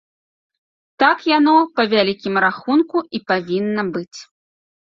Так яно, па вялікім рахунку, і павінна быць.